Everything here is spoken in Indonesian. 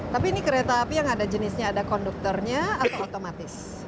tapi ini kereta api yang ada jenisnya ada konduktornya atau otomatis